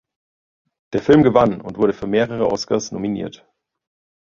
Der Film gewann und wurde für mehrere Oscars nominiert.